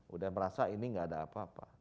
sudah merasa ini tidak ada apa apa